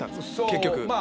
結局。